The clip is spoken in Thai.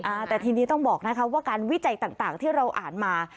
อ่าแต่ทีนี้ต้องบอกนะคะว่าการวิจัยต่างที่เราอ่านมา